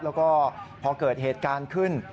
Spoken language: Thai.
แล้วก็พอเกิดเหตุการณ์ขึ้น